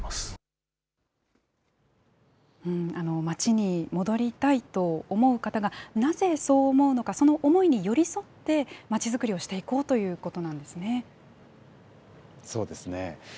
町に戻りたいと思う方が、なぜそう思うのか、その思いに寄り添ってまちづくりをしていこうということなんですそうですね。